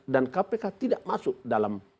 dan kpk tidak masuk dalam